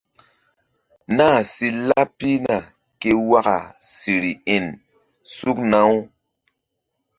Nah si laɓ pihna ke waka siri-in sukna-aw.